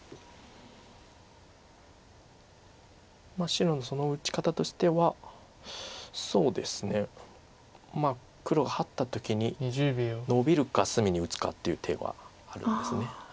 白のその打ち方としてはそうですね黒がハッた時にノビるか隅に打つかっていう手はあるんです。